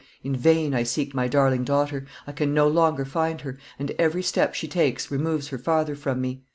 "In vain I seek my darling daughter; I can no longer find her, and every step she takes removes her farther from me.